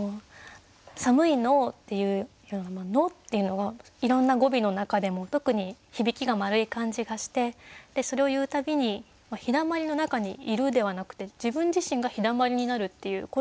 「寒いの」っていう「の」っていうのがいろんな語尾の中でも特に響きが丸い感じがしてそれを言うたびに陽だまりの中にいるではなくて自分自身が陽だまりになるっていう。